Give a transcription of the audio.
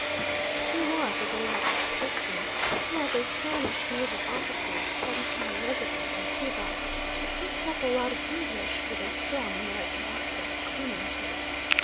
He was a delightful person, who, as a Spanish naval officer, some time resident in Cuba, had picked up a lot of English, with a strong American accent clinging to it.